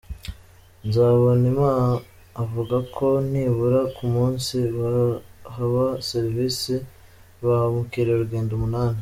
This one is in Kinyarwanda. Nzabonimpa avuga ko nibura ku munsi baha serivisi ba mukerarugendo umunani.